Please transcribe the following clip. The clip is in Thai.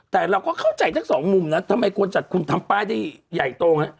แต่เราก็เข้าใจทั้งสองมุมนะทำไมคนจัดคุณทำไปด้วยใหญ่โปรงน่ะ